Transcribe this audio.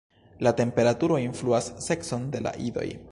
La temperaturo influas sekson de la idoj.